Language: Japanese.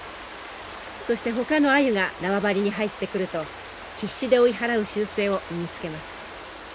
そしてほかのアユが縄張りに入ってくると必死で追い払う習性を身につけます。